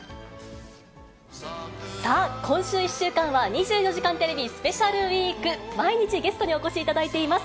さあ、今週１週間は、２４時間テレビスペシャルウィーク、毎日ゲストにお越しいただいています。